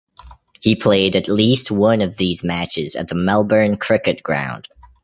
He played at least one of these matches at the Melbourne Cricket Ground.